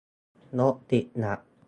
รถติดหนัก